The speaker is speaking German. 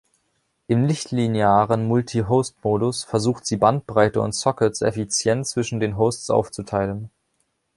Im nicht-linearen Multi-Host-Modus versucht sie Bandbreite und Sockets effizient zwischen den Hosts aufzuteilen.